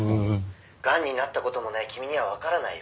「がんになった事もない君にはわからないよ」